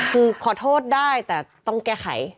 คือขอโทษได้แต่ต้องแก้ไข